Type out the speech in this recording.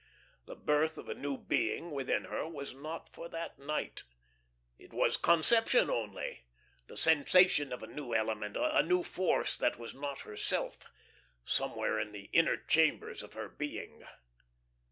The birth of a new being within her was not for that night. It was conception only the sensation of a new element, a new force that was not herself, somewhere in the inner chambers of her being.